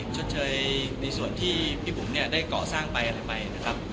ชดเชยในส่วนที่พี่บุ๋มเนี่ยได้ก่อสร้างไปอะไรไปนะครับ